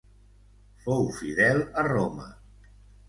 Fou fidel a Roma.